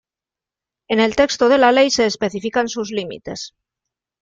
En el texto de la ley se especifican sus límites.